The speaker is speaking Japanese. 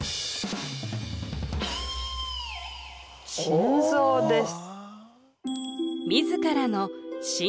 「心臓」です。